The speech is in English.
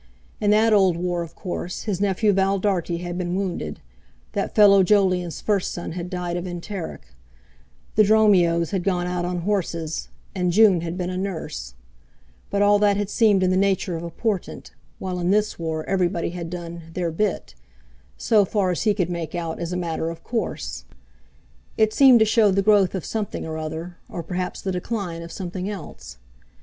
In that old war, of course, his nephew Val Dartie had been wounded, that fellow Jolyon's first son had died of enteric, "the Dromios" had gone out on horses, and June had been a nurse; but all that had seemed in the nature of a portent, while in this war everybody had done "their bit," so far as he could make out, as a matter of course. It seemed to show the growth of something or other—or perhaps the decline of something else.